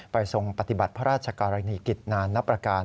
ทรงปฏิบัติพระราชกรณีกิจนานนับประการ